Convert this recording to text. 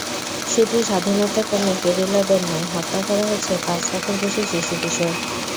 শুধু স্বাধীনতাকামী গেরিলাদের নয়, হত্যা করা হয়েছে পাঁচ লাখের বেশি শিশু-কিশোর।